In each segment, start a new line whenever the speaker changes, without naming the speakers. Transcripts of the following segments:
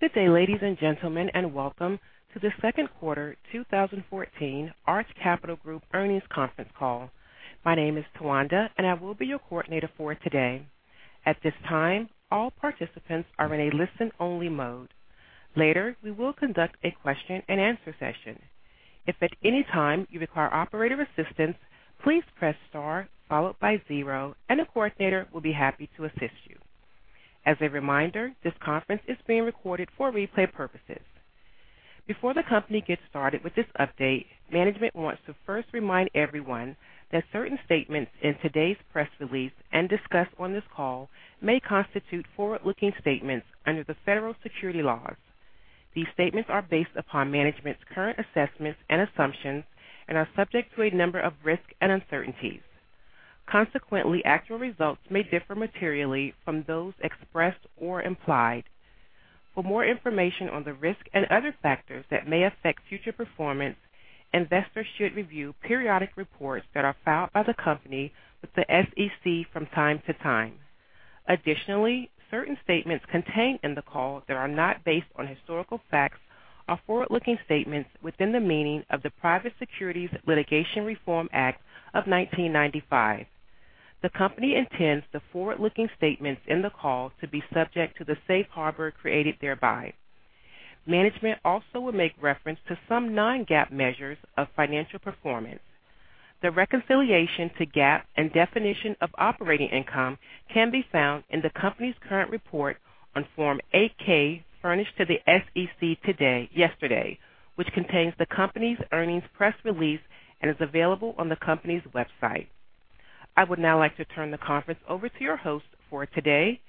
Good day, ladies and gentlemen, and welcome to the second quarter 2014 Arch Capital Group earnings conference call. My name is Tawanda, and I will be your coordinator for today. At this time, all participants are in a listen-only mode. Later, we will conduct a question and answer session. If at any time you require operator assistance, please press star followed by zero, and a coordinator will be happy to assist you. As a reminder, this conference is being recorded for replay purposes. Before the company gets started with this update, management wants to first remind everyone that certain statements in today's press release and discussed on this call may constitute forward-looking statements under the federal securities laws. These statements are based upon management's current assessments and assumptions and are subject to a number of risks and uncertainties. Consequently, actual results may differ materially from those expressed or implied. For more information on the risks and other factors that may affect future performance, investors should review periodic reports that are filed by the company with the SEC from time to time. Additionally, certain statements contained in the call that are not based on historical facts are forward-looking statements within the meaning of the Private Securities Litigation Reform Act of 1995. The company intends the forward-looking statements in the call to be subject to the safe harbor created thereby. Management also will make reference to some non-GAAP measures of financial performance. The reconciliation to GAAP and definition of operating income can be found in the company's current report on Form 8-K furnished to the SEC yesterday, which contains the company's earnings press release and is available on the company's website. I would now like to turn the conference over to your host for today,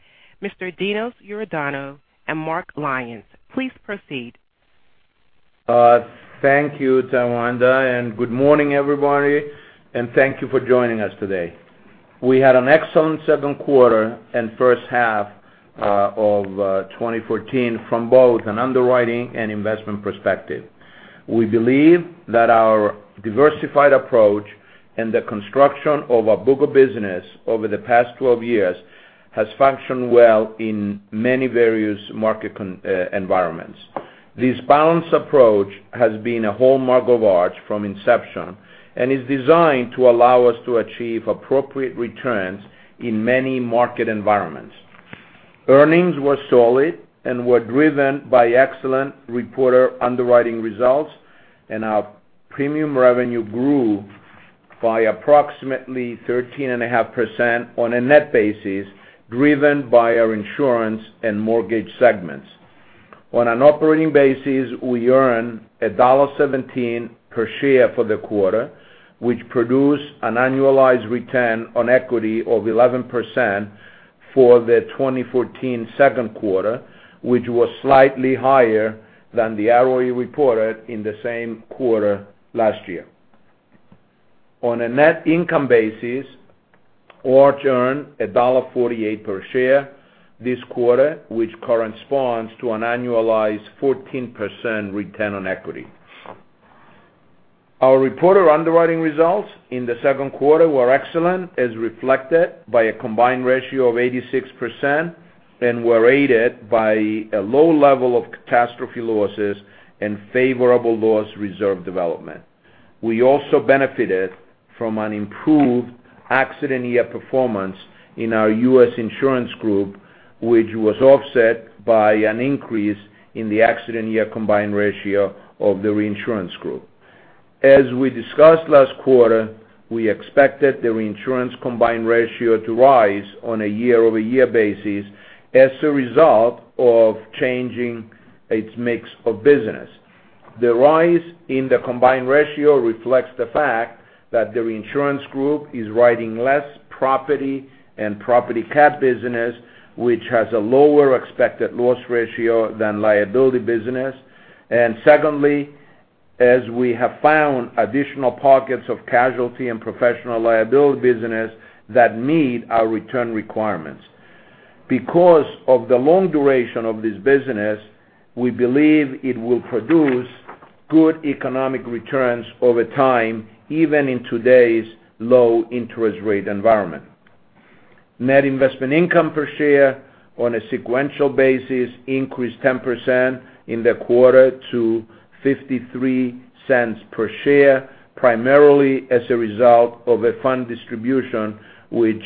Mr. Dinos Iordanou and Marc Grandisson. Please proceed.
Thank you, Tawanda, and good morning, everybody, and thank you for joining us today. We had an excellent second quarter and first half of 2014 from both an underwriting and investment perspective. We believe that our diversified approach and the construction of our book of business over the past 12 years has functioned well in many various market environments. This balanced approach has been a hallmark of Arch from inception and is designed to allow us to achieve appropriate returns in many market environments. Earnings were solid and were driven by excellent reported underwriting results, and our premium revenue grew by approximately 13.5% on a net basis, driven by our insurance and mortgage segments. On an operating basis, we earned $1.17 per share for the quarter, which produced an annualized return on equity of 11% for the 2014 second quarter, which was slightly higher than the ROE reported in the same quarter last year. On a net income basis, Arch earned $1.48 per share this quarter, which corresponds to an annualized 14% return on equity. Our reported underwriting results in the second quarter were excellent, as reflected by a combined ratio of 86%, and were aided by a low level of catastrophe losses and favorable loss reserve development. We also benefited from an improved accident year performance in our U.S. insurance group, which was offset by an increase in the accident year combined ratio of the reinsurance group. As we discussed last quarter, we expected the reinsurance combined ratio to rise on a year-over-year basis as a result of changing its mix of business. The rise in the combined ratio reflects the fact that the reinsurance group is writing less property and property cat business, which has a lower expected loss ratio than liability business. Secondly, as we have found additional pockets of casualty and professional liability business that meet our return requirements. Because of the long duration of this business, we believe it will produce good economic returns over time, even in today's low-interest rate environment. Net investment income per share on a sequential basis increased 10% in the quarter to $0.53 per share, primarily as a result of a fund distribution which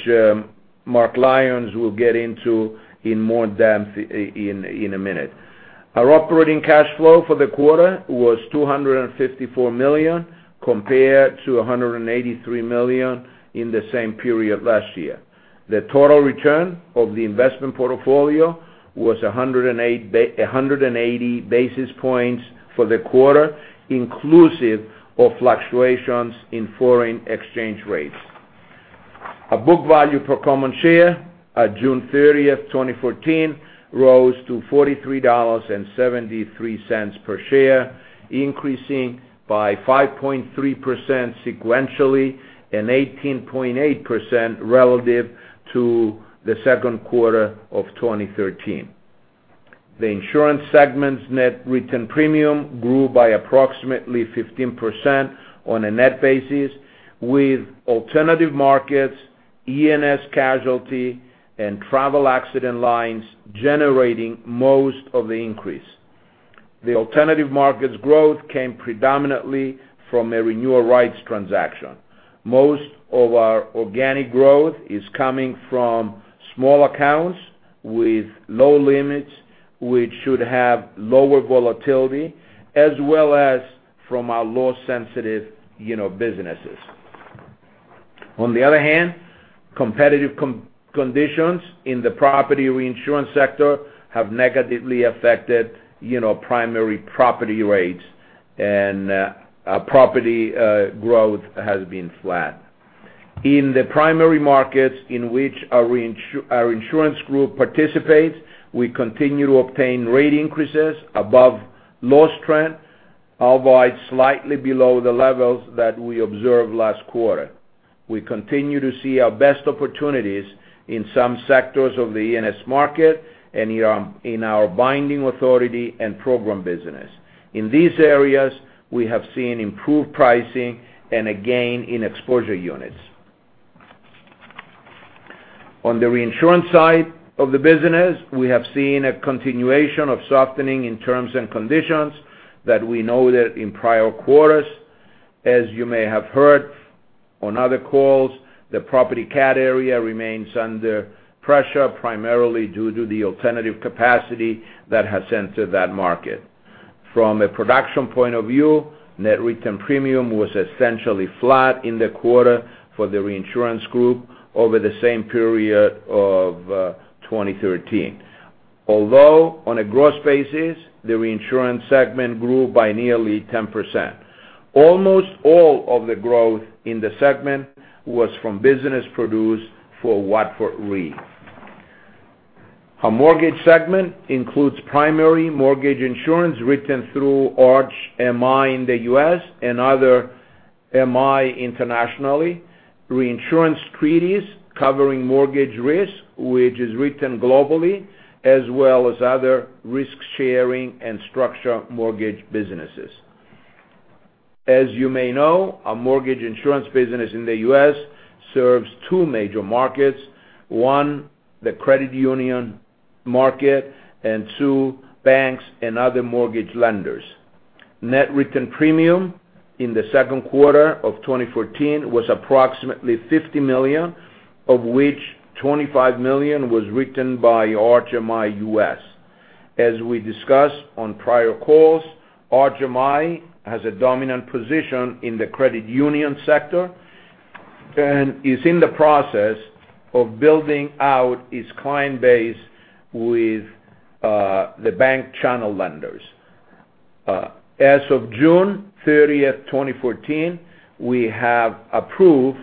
Marc Grandisson will get into in more depth in a minute. Our operating cash flow for the quarter was $254 million, compared to $183 million in the same period last year. The total return of the investment portfolio was 180 basis points for the quarter, inclusive of fluctuations in foreign exchange rates. Our book value per common share at June 30th, 2014, rose to $43.73 per share, increasing by 5.3% sequentially and 18.8% relative to the second quarter of 2013. The insurance segment's net written premium grew by approximately 15% on a net basis, with alternative markets E&S casualty and travel accident lines generating most of the increase. The alternative markets growth came predominantly from a renewal rights transaction. Most of our organic growth is coming from small accounts with low limits, which should have lower volatility, as well as from our loss sensitive businesses. On the other hand, competitive conditions in the property reinsurance sector have negatively affected primary property rates, and our property growth has been flat. In the primary markets in which our insurance group participates, we continue to obtain rate increases above loss trend, albeit slightly below the levels that we observed last quarter. We continue to see our best opportunities in some sectors of the E&S market and in our binding authority and program business. In these areas, we have seen improved pricing and a gain in exposure units. On the reinsurance side of the business, we have seen a continuation of softening in terms and conditions that we noted in prior quarters. As you may have heard on other calls, the property cat area remains under pressure, primarily due to the alternative capacity that has entered that market. From a production point of view, net written premium was essentially flat in the quarter for the reinsurance group over the same period of 2013. Although, on a gross basis, the reinsurance segment grew by nearly 10%. Almost all of the growth in the segment was from business produced for Watford Re. Our mortgage segment includes primary mortgage insurance written through Arch MI in the U.S. and other MI internationally, reinsurance treaties covering mortgage risk, which is written globally, as well as other risk-sharing and structure mortgage businesses. As you may know, our mortgage insurance business in the U.S. serves two major markets. One, the credit union market, and two, banks and other mortgage lenders. Net written premium in the second quarter of 2014 was approximately $50 million, of which $25 million was written by Arch U.S. MI. As we discussed on prior calls, Arch MI has a dominant position in the credit union sector and is in the process of building out its client base with the bank channel lenders. As of June 30, 2014, we have approved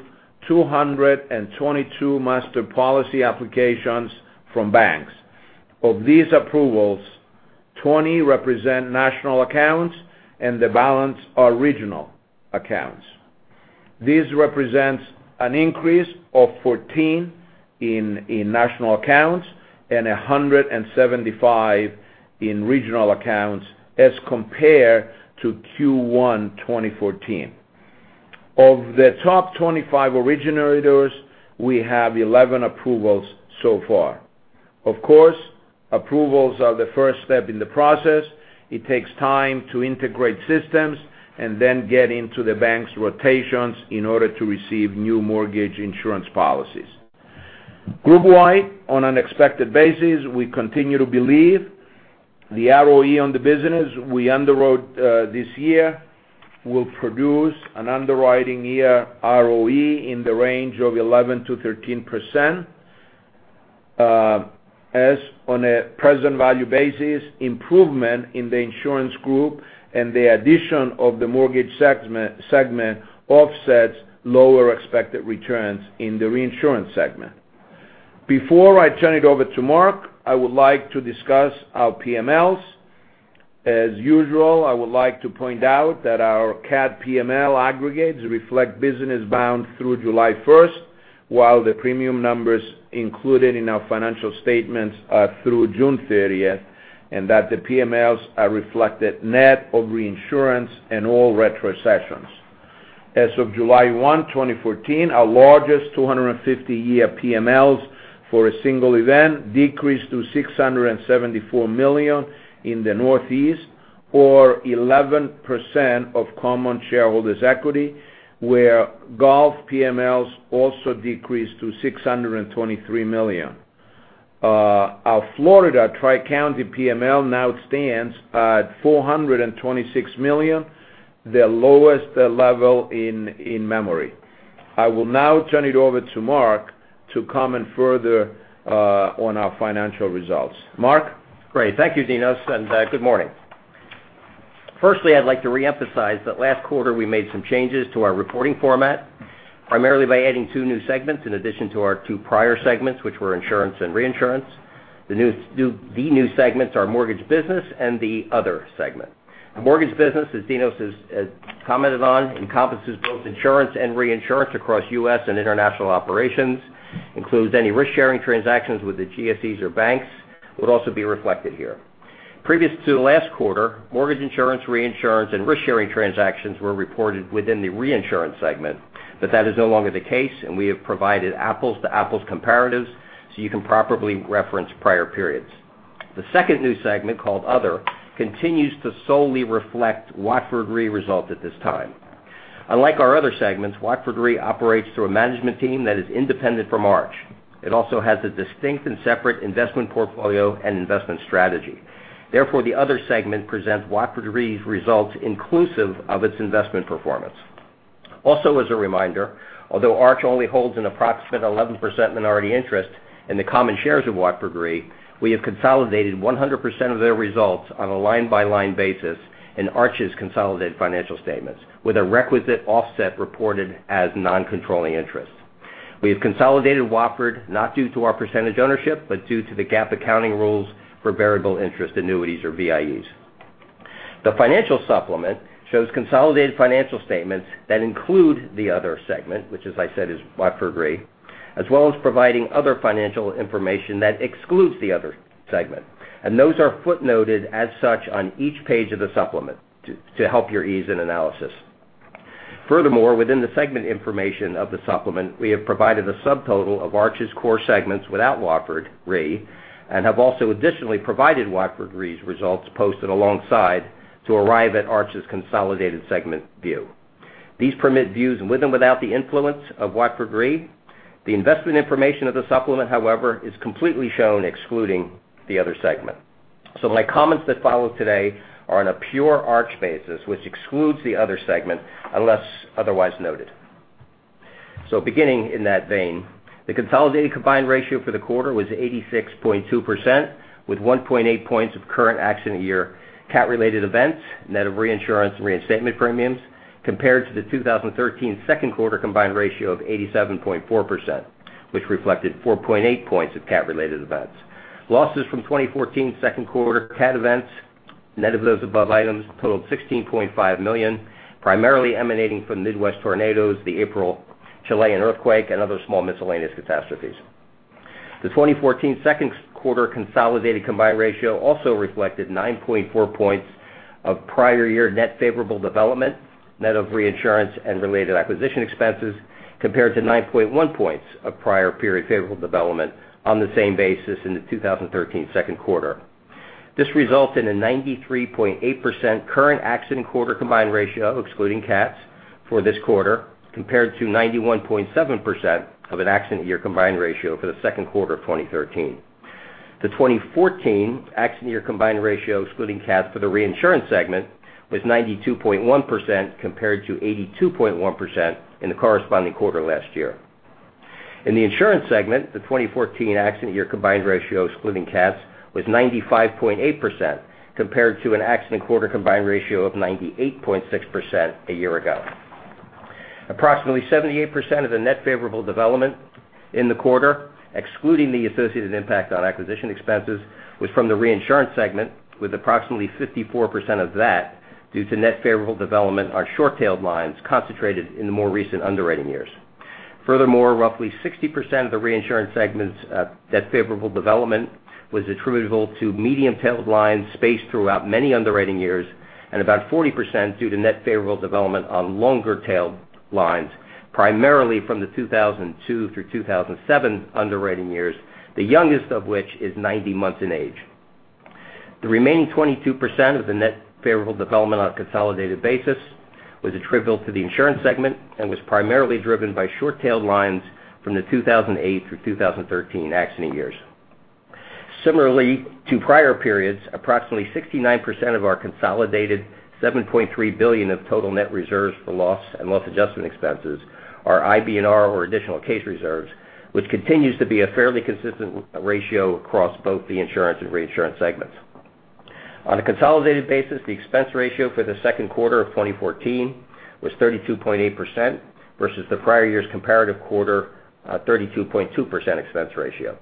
222 master policy applications from banks. Of these approvals, 20 represent national accounts and the balance are regional accounts. This represents an increase of 14 in national accounts and 175 in regional accounts as compared to Q1 2014. Of the top 25 originators, we have 11 approvals so far. Of course, approvals are the first step in the process. It takes time to integrate systems and then get into the bank's rotations in order to receive new mortgage insurance policies. Group-wide, on an expected basis, we continue to believe the ROE on the business we underwrote this year will produce an underwriting year ROE in the range of 11%-13%. As on a present value basis, improvement in the insurance group and the addition of the mortgage segment offsets lower expected returns in the reinsurance segment. Before I turn it over to Marc, I would like to discuss our PMLs. As usual, I would like to point out that our cat PML aggregates reflect business bound through July 1, while the premium numbers included in our financial statements are through June 30, and that the PMLs are reflected net of reinsurance and all retrocessions. As of July 1, 2014, our largest 250-year PMLs for a single event decreased to $674 million in the Northeast or 11% of common shareholders equity, where Gulf PMLs also decreased to $623 million. Our Florida Tri-County PML now stands at $426 million, the lowest level in memory. I will now turn it over to Marc to comment further on our financial results. Marc?
Great. Thank you, Dinos, and good morning. Firstly, I'd like to reemphasize that last quarter we made some changes to our reporting format, primarily by adding two new segments in addition to our two prior segments, which were insurance and reinsurance. The new segments are mortgage business and the other segment. The mortgage business, as Dinos has commented on, encompasses both insurance and reinsurance across U.S. and international operations, includes any risk-sharing transactions with the GSEs or banks, would also be reflected here. Previous to last quarter, mortgage insurance, reinsurance, and risk-sharing transactions were reported within the reinsurance segment. That is no longer the case, and we have provided apples-to-apples comparatives so you can properly reference prior periods. The second new segment, called Other, continues to solely reflect Watford Re results at this time. Unlike our other segments, Watford Re operates through a management team that is independent from Arch. It also has a distinct and separate investment portfolio and investment strategy. Therefore, the Other segment presents Watford Re's results inclusive of its investment performance. As a reminder, although Arch only holds an approximate 11% minority interest in the common shares of Watford Re, we have consolidated 100% of their results on a line-by-line basis in Arch's consolidated financial statements with a requisite offset reported as non-controlling interest. We have consolidated Watford, not due to our percentage ownership, but due to the GAAP accounting rules for variable interest entities or VIEs. The financial supplement shows consolidated financial statements that include the Other segment, which as I said, is Watford Re, as well as providing other financial information that excludes the Other segment. Those are footnoted as such on each page of the supplement to help your ease in analysis. Furthermore, within the segment information of the supplement, we have provided a subtotal of Arch's core segments without Watford Re and have also additionally provided Watford Re's results posted alongside to arrive at Arch's consolidated segment view. These permit views with and without the influence of Watford Re. The investment information of the supplement, however, is completely shown excluding the Other segment. My comments that follow today are on a pure Arch basis, which excludes the Other segment unless otherwise noted. Beginning in that vein, the consolidated combined ratio for the quarter was 86.2%, with 1.8 points of current accident year cat-related events, net of reinsurance and reinstatement premiums, compared to the 2013 second quarter combined ratio of 87.4%, which reflected 4.8 points of cat-related events. Losses from 2014 second quarter cat events, net of those above items, totaled $16.5 million, primarily emanating from Midwest tornadoes, the April Chilean earthquake, and other small miscellaneous catastrophes. The 2014 second quarter consolidated combined ratio also reflected 9.4 points of prior year net favorable development, net of reinsurance and related acquisition expenses, compared to 9.1 points of prior period favorable development on the same basis in the 2013 second quarter. This resulted in a 93.8% current accident quarter combined ratio, excluding cats, for this quarter, compared to 91.7% of an accident year combined ratio for the second quarter of 2013. The 2014 accident year combined ratio, excluding cats for the reinsurance segment, was 92.1%, compared to 82.1% in the corresponding quarter last year. In the insurance segment, the 2014 accident year combined ratio excluding cats was 95.8%, compared to an accident quarter combined ratio of 98.6% a year ago. Approximately 78% of the net favorable development in the quarter, excluding the associated impact on acquisition expenses, was from the reinsurance segment, with approximately 54% of that due to net favorable development on short-tailed lines concentrated in the more recent underwriting years. Furthermore, roughly 60% of the reinsurance segment's net favorable development was attributable to medium-tailed lines spaced throughout many underwriting years and about 40% due to net favorable development on longer-tailed lines, primarily from the 2002 through 2007 underwriting years, the youngest of which is 90 months in age. The remaining 22% of the net favorable development on a consolidated basis was attributable to the insurance segment and was primarily driven by short-tailed lines from the 2008 through 2013 accident years. Similarly to prior periods, approximately 69% of our consolidated $7.3 billion of total net reserves for loss and loss adjustment expenses are IBNR or additional case reserves, which continues to be a fairly consistent ratio across both the insurance and reinsurance segments. On a consolidated basis, the expense ratio for the second quarter of 2014 was 32.8% versus the prior year's comparative quarter 32.2% expense ratio.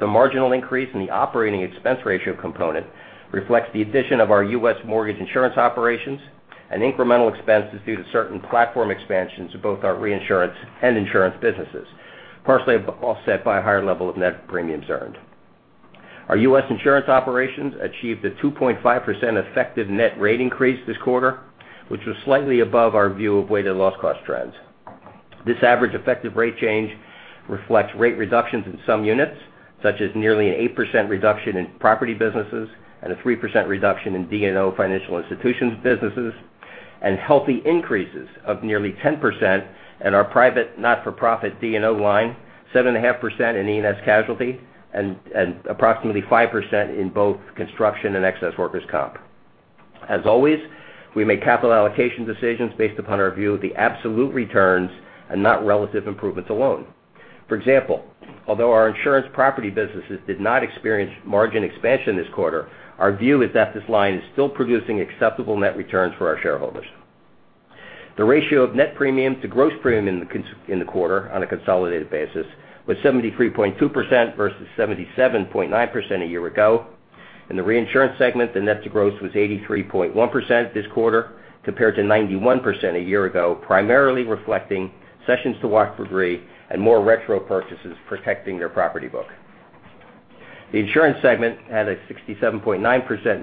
The marginal increase in the operating expense ratio component reflects the addition of our U.S. mortgage insurance operations and incremental expenses due to certain platform expansions of both our reinsurance and insurance businesses, partially offset by a higher level of net premiums earned. Our U.S. insurance operations achieved a 2.5% effective net rate increase this quarter, which was slightly above our view of weighted loss cost trends. This average effective rate change reflects rate reductions in some units, such as nearly an 8% reduction in property businesses and a 3% reduction in D&O financial institutions businesses, and healthy increases of nearly 10% in our private not-for-profit D&O line, 7.5% in E&S casualty, and approximately 5% in both construction and excess workers' comp. As always, we make capital allocation decisions based upon our view of the absolute returns and not relative improvements alone. For example, although our insurance property businesses did not experience margin expansion this quarter, our view is that this line is still producing acceptable net returns for our shareholders. The ratio of net premium to gross premium in the quarter on a consolidated basis was 73.2% versus 77.9% a year ago. In the reinsurance segment, the net to gross was 83.1% this quarter compared to 91% a year ago, primarily reflecting sessions to Watford Re and more retro purchases protecting their property book. The insurance segment had a 67.9%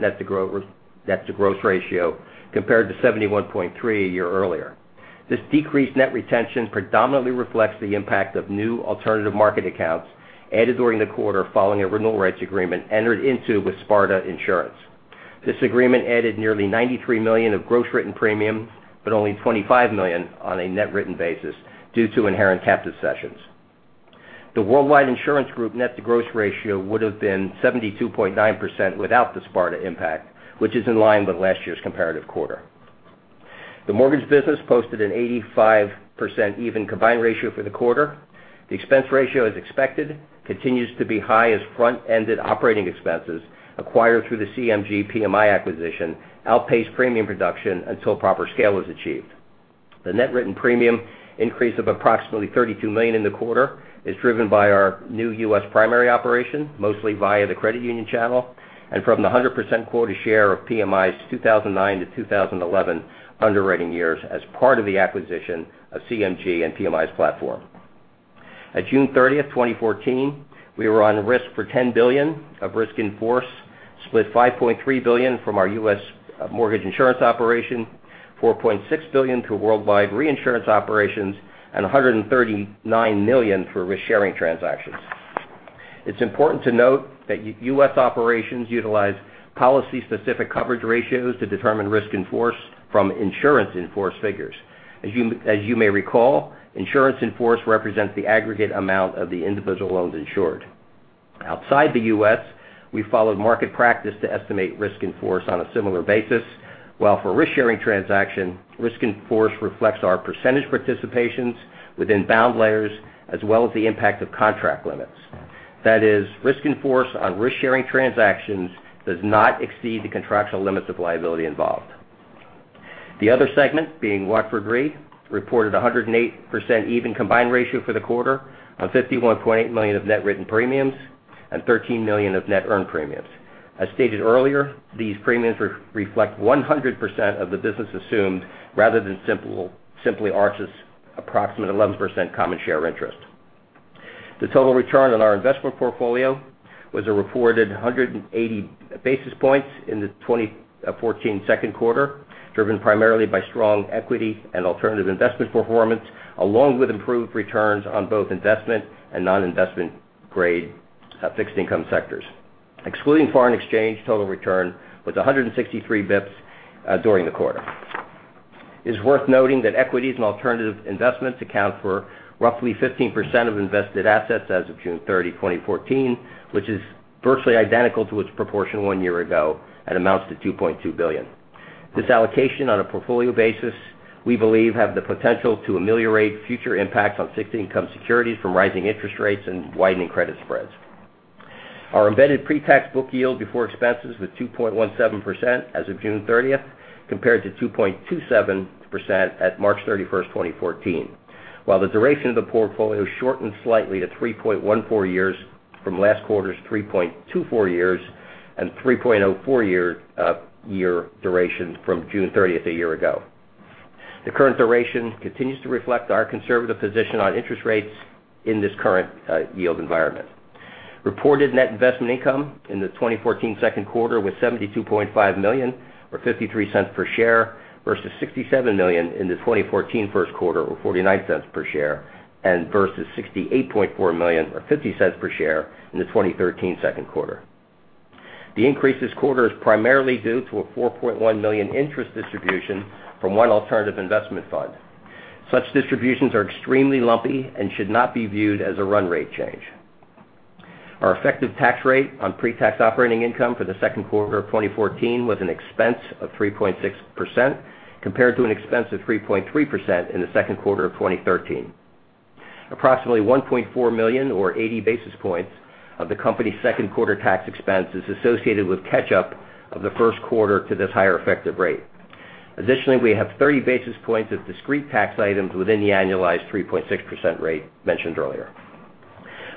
net to gross ratio compared to 71.3% a year earlier. This decreased net retention predominantly reflects the impact of new alternative market accounts added during the quarter following a renewal rights agreement entered into with Sparta Insurance. This agreement added nearly $93 million of gross written premium, but only $25 million on a net written basis due to inherent captive sessions. The worldwide insurance group net to gross ratio would have been 72.9% without the Sparta impact, which is in line with last year's comparative quarter. The mortgage business posted an 85% even combined ratio for the quarter. The expense ratio, as expected, continues to be high as front-ended operating expenses acquired through the CMG PMI acquisition outpace premium production until proper scale is achieved. The net written premium increase of approximately $32 million in the quarter is driven by our new U.S. primary operation, mostly via the credit union channel, and from the 100% quota share of PMI's 2009 to 2011 underwriting years as part of the acquisition of CMG and PMI's platform. At June 30th, 2014, we were on risk for $10 billion of risk in force, split $5.3 billion from our U.S. mortgage insurance operation, $4.6 billion to worldwide reinsurance operations, and $139 million for risk-sharing transactions. It's important to note that U.S. operations utilize policy-specific coverage ratios to determine risk in force from insurance in force figures. As you may recall, insurance in force represents the aggregate amount of the individual loans insured. Outside the U.S., we followed market practice to estimate risk in force on a similar basis. For risk-sharing transaction, risk in force reflects our percentage participations within bound layers, as well as the impact of contract limits. That is, risk in force on risk-sharing transactions does not exceed the contractual limits of liability involved. The other segment, being Watford Re, reported 108% even combined ratio for the quarter on $51.8 million of net written premiums and $13 million of net earned premiums. As stated earlier, these premiums reflect 100% of the business assumed rather than simply Arch's approximate 11% common share interest. The total return on our investment portfolio was a reported 180 basis points in the 2014 second quarter, driven primarily by strong equity and alternative investment performance, along with improved returns on both investment and non-investment grade fixed income sectors. Excluding foreign exchange, total return was 163 basis points during the quarter. It is worth noting that equities and alternative investments account for roughly 15% of invested assets as of June 30, 2014, which is virtually identical to its proportion one year ago and amounts to $2.2 billion. This allocation on a portfolio basis, we believe, have the potential to ameliorate future impacts on fixed income securities from rising interest rates and widening credit spreads. Our embedded pre-tax book yield before expenses was 2.17% as of June 30th, compared to 2.27% at March 31st, 2014. The duration of the portfolio shortened slightly to 3.14 years from last quarter's 3.24 years and 3.04 year duration from June 30th a year ago. The current duration continues to reflect our conservative position on interest rates in this current yield environment. Reported net investment income in the 2014 second quarter was $72.5 million, or $0.53 per share, versus $67 million in the 2014 first quarter, or $0.49 per share, and versus $68.4 million, or $0.50 per share in the 2013 second quarter. The increase this quarter is primarily due to a $4.1 million interest distribution from one alternative investment fund. Such distributions are extremely lumpy and should not be viewed as a run rate change. Our effective tax rate on pre-tax operating income for the second quarter of 2014 was an expense of 3.6%, compared to an expense of 3.3% in the second quarter of 2013. Approximately $1.4 million or 80 basis points of the company's second quarter tax expense is associated with catch-up of the first quarter to this higher effective rate. We have 30 basis points of discrete tax items within the annualized 3.6% rate mentioned earlier.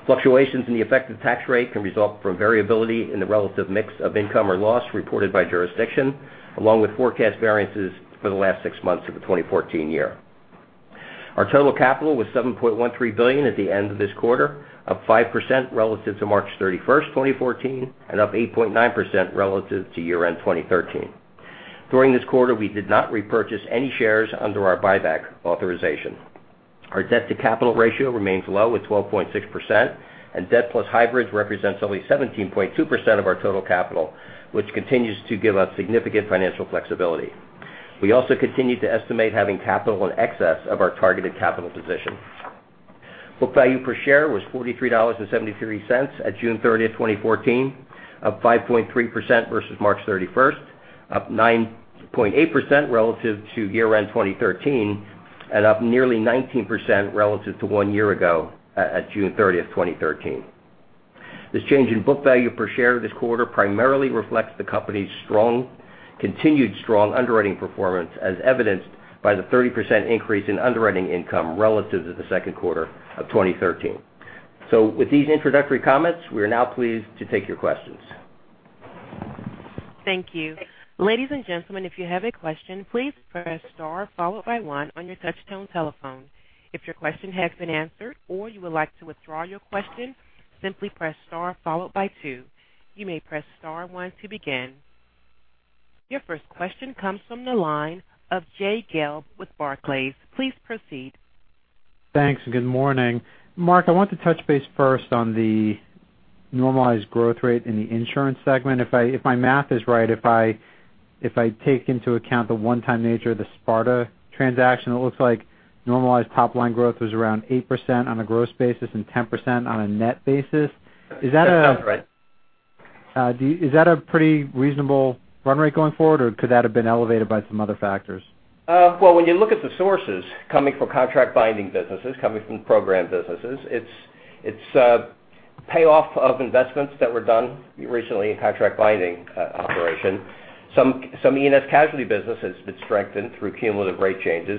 Fluctuations in the effective tax rate can result from variability in the relative mix of income or loss reported by jurisdiction, along with forecast variances for the last six months of the 2014 year. Our total capital was $7.13 billion at the end of this quarter, up 5% relative to March 31st, 2014, and up 8.9% relative to year-end 2013. During this quarter, we did not repurchase any shares under our buyback authorization. Our debt to capital ratio remains low at 12.6%, and debt plus hybrids represents only 17.2% of our total capital, which continues to give us significant financial flexibility. We also continue to estimate having capital in excess of our targeted capital position. Book value per share was $43.73 at June 30th, 2014, up 5.3% versus March 31st, up 9.8% relative to year-end 2013, and up nearly 19% relative to one year ago at June 30th, 2013. This change in book value per share this quarter primarily reflects the company's continued strong underwriting performance as evidenced by the 30% increase in underwriting income relative to the second quarter of 2013. With these introductory comments, we are now pleased to take your questions.
Thank you. Ladies and gentlemen, if you have a question, please press star followed by 1 on your touch-tone telephone. If your question has been answered or you would like to withdraw your question, simply press star followed by 2. You may press star 1 to begin. Your first question comes from the line of Jay Gelb with Barclays. Please proceed.
Thanks, good morning. Marc, I want to touch base first on the normalized growth rate in the insurance segment. If my math is right, if I take into account the one-time nature of the Sparta transaction, it looks like normalized top-line growth was around 8% on a gross basis and 10% on a net basis. Is that a-
That sounds right.
Is that a pretty reasonable run rate going forward, or could that have been elevated by some other factors?
Well, when you look at the sources coming from contract binding businesses, coming from program businesses, it's payoff of investments that were done recently in contract binding operation. Some E&S casualty business has been strengthened through cumulative rate changes.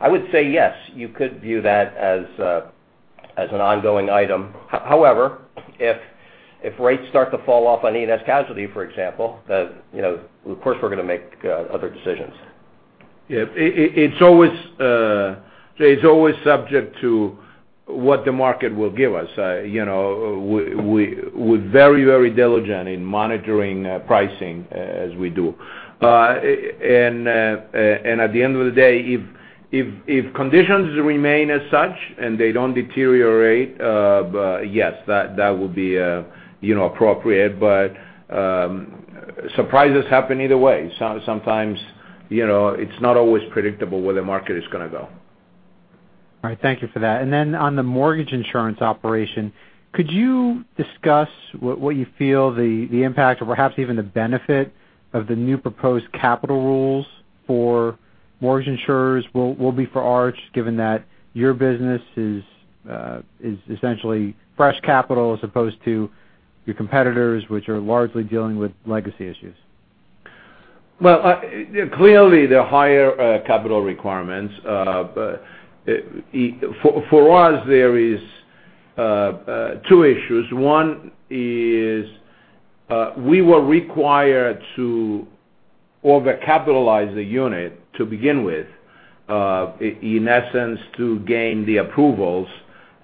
I would say yes, you could view that as an ongoing item. However, if rates start to fall off on E&S casualty, for example, of course, we're going to make other decisions.
Yeah. Jay, it's always subject to what the market will give us. We're very, very diligent in monitoring pricing as we do. At the end of the day, if conditions remain as such and they don't deteriorate, yes, that will be appropriate. Surprises happen either way. Sometimes it's not always predictable where the market is going to go.
All right. Thank you for that. Then on the mortgage insurance operation, could you discuss what you feel the impact or perhaps even the benefit of the new proposed capital rules for mortgage insurers will be for Arch, given that your business is essentially fresh capital, as opposed to your competitors, which are largely dealing with legacy issues?
Clearly, they're higher capital requirements. For us, there is two issues. One is we were required to overcapitalize the unit to begin with, in essence, to gain the approvals.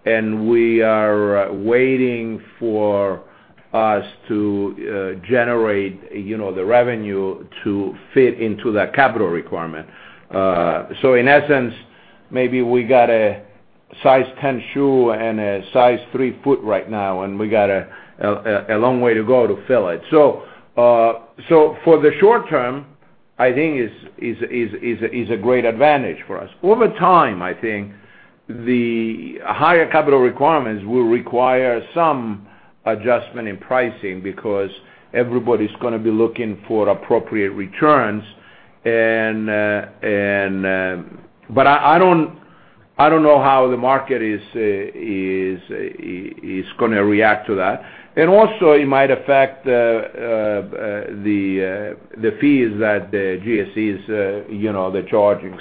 We are waiting for us to generate the revenue to fit into that capital requirement. In essence, maybe we got a size 10 shoe and a size 3 foot right now, and we got a long way to go to fill it. For the short term, I think it's a great advantage for us. Over time, I think the higher capital requirements will require some adjustment in pricing because everybody's going to be looking for appropriate returns. I don't know how the market is going to react to that. Also, it might affect the fees that the GSE is charging.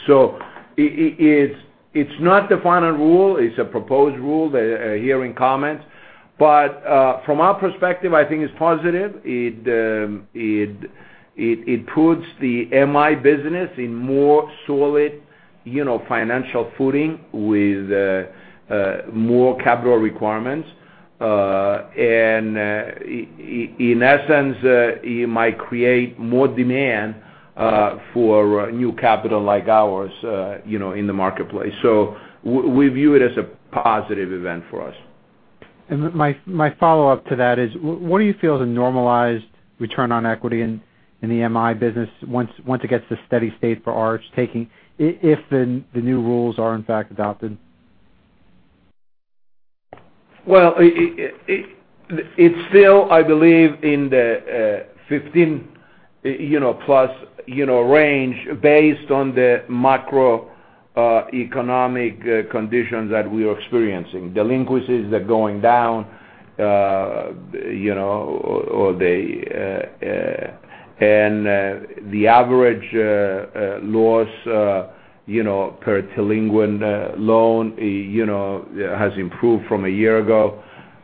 It's not the final rule. It's a proposed rule. They're hearing comments. From our perspective, I think it's positive. It puts the MI business in more solid financial footing with more capital requirements. In essence, it might create more demand for new capital like ours in the marketplace. We view it as a positive event for us.
My follow-up to that is, what do you feel is a normalized return on equity in the MI business once it gets to steady state for Arch taking, if the new rules are in fact adopted?
It's still, I believe, in the 15+ range based on the macroeconomic conditions that we are experiencing. Delinquencies are going down, the average loss per delinquent loan has improved from a year ago.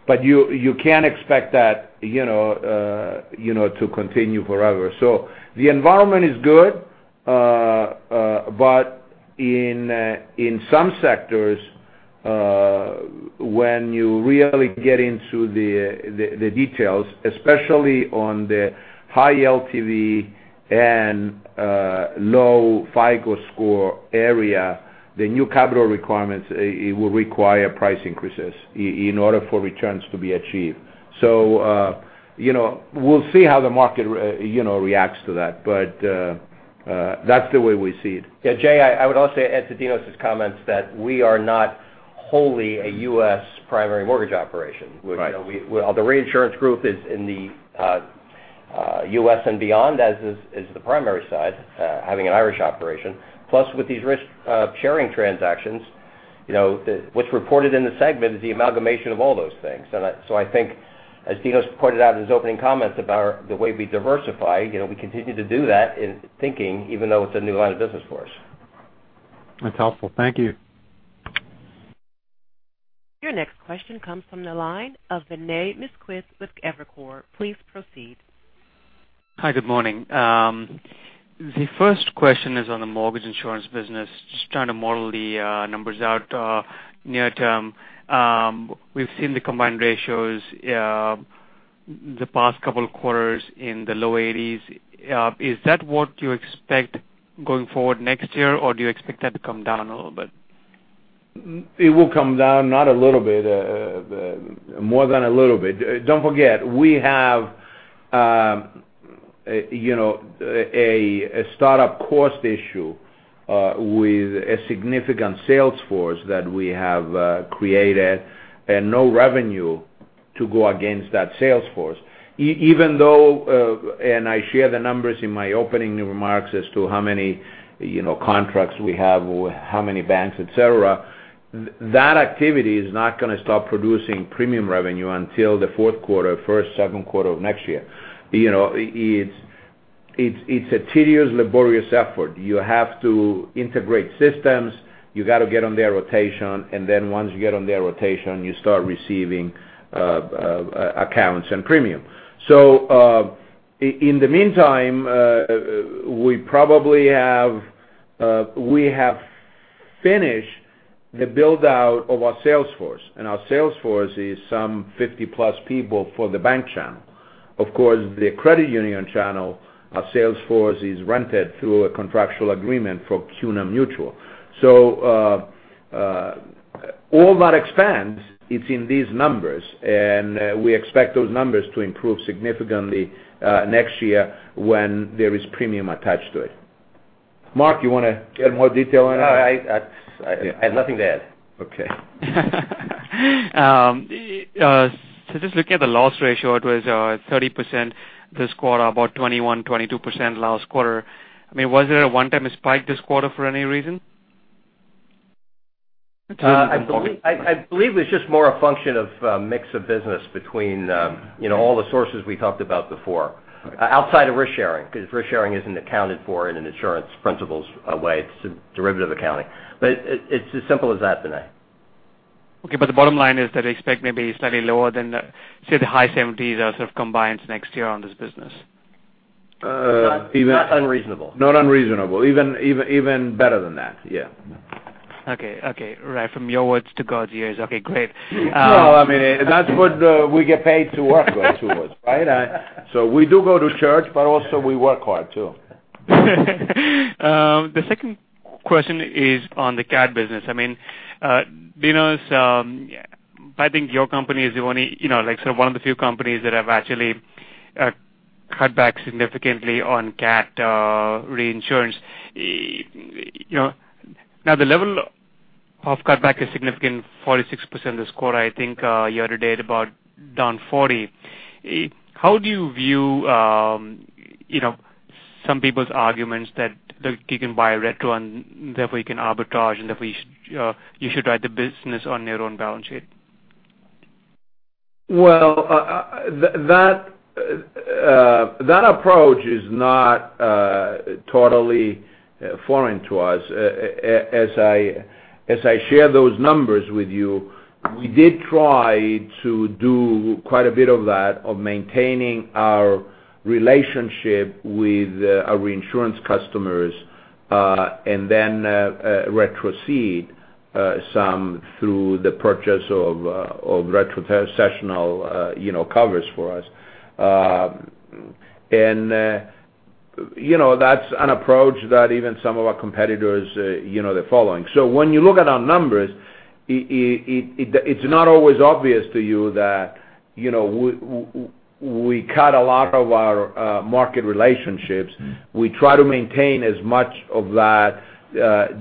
You can't expect that to continue forever. The environment is good. In some sectors, when you really get into the details, especially on the high LTV and low FICO score area, the new capital requirements will require price increases in order for returns to be achieved. We'll see how the market reacts to that. That's the way we see it.
Yeah, Jay, I would also add to Dinos's comments that we are not wholly a U.S. primary mortgage operation.
Right.
The reinsurance group is in the U.S. and beyond, as is the primary side, having an Irish operation. With these risk-sharing transactions, what's reported in the segment is the amalgamation of all those things. I think as Dinos pointed out in his opening comments about the way we diversify, we continue to do that in thinking, even though it's a new line of business for us.
That's helpful. Thank you.
Your next question comes from the line of Vinay Misquith with Evercore. Please proceed.
Hi, good morning. The first question is on the mortgage insurance business. Just trying to model the numbers out near term. We've seen the combined ratios the past couple of quarters in the low 80s. Is that what you expect going forward next year, or do you expect that to come down a little bit?
It will come down. Not a little bit, more than a little bit. Don't forget, we have a startup cost issue with a significant sales force that we have created and no revenue to go against that sales force. Even though, and I share the numbers in my opening remarks as to how many contracts we have, how many banks, et cetera, that activity is not going to stop producing premium revenue until the fourth quarter, first, second quarter of next year. It's a tedious, laborious effort. You have to integrate systems. Once you get on their rotation, you start receiving accounts and premium. In the meantime, we have finished the build-out of our sales force, and our sales force is some 50-plus people for the bank channel. Of course, the credit union channel, our sales force is rented through a contractual agreement for CUNA Mutual. All that expands, it's in these numbers, and we expect those numbers to improve significantly next year when there is premium attached to it. Marc, you want to get more detail on that?
No, I had nothing to add.
Okay.
Just looking at the loss ratio, it was 30% this quarter, about 21%, 22% last quarter. I mean, was there a one-time spike this quarter for any reason?
I believe it's just more a function of mix of business between all the sources we talked about before.
Okay.
Outside of risk sharing, because risk sharing isn't accounted for in an insurance principles way. It's derivative accounting. It's as simple as that, Vinay.
Okay. The bottom line is that they expect maybe slightly lower than the, say, the high 70s are sort of combined next year on this business.
Not unreasonable. Even better than that, yeah.
Okay. Right from your words to God's ears. Okay, great.
No, I mean, that's what we get paid to work those tools, right? We do go to church, also we work hard, too.
The second question is on the CAT business. I mean, Dinos, I think your company is one of the few companies that have actually cut back significantly on CAT reinsurance. Now the level of cut back is significant, 46% this quarter. I think year to date about down 40%. How do you view some people's arguments that you can buy retro and therefore you can arbitrage and therefore you should write the business on your own balance sheet?
That approach is not totally foreign to us. As I share those numbers with you, we did try to do quite a bit of that, of maintaining our relationship with our reinsurance customers, and then retrocede some through the purchase of retrocessional covers for us. That's an approach that even some of our competitors are following. When you look at our numbers, it's not always obvious to you that we cut a lot of our market relationships. We try to maintain as much of that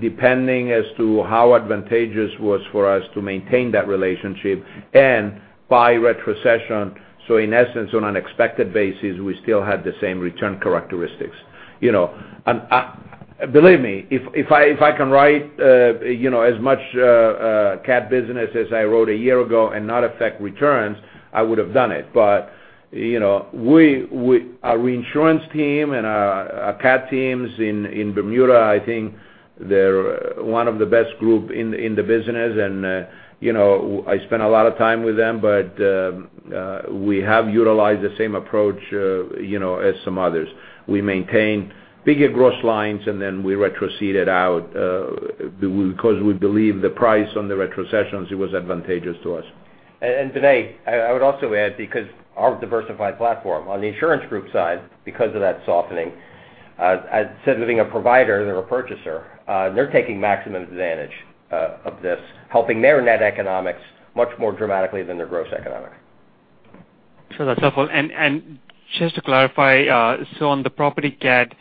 depending as to how advantageous it was for us to maintain that relationship and buy retrocession. In essence, on an expected basis, we still had the same return characteristics. Believe me, if I can write as much cat business as I wrote a year ago and not affect returns, I would have done it. Our reinsurance team and our cat teams in Bermuda, I think they're one of the best group in the business, and I spend a lot of time with them. We have utilized the same approach as some others. We maintain bigger gross lines. Then we retrocede it out because we believe the price on the retrocessions was advantageous to us.
Vinay, I would also add because our diversified platform on the insurance group side, because of that softening, instead of being a provider, they're a purchaser. They're taking maximum advantage of this, helping their net economics much more dramatically than their gross economics.
Sure. That's helpful. Just to clarify, on the property cat,